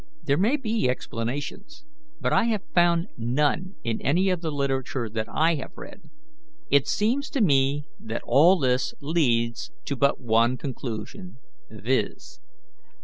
There may be explanations, but I have found none in any of the literature I have read. It seems to me that all this leads to but one conclusion, viz.